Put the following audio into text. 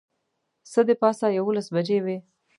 څه د پاسه یوولس بجې وې.